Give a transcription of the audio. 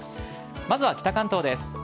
まずは北関東です。